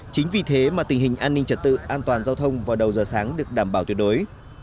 chính vì thế mà tình hình an ninh trật tự an toàn giao thông vào đầu giờ sáng được đảm bảo tuyệt đối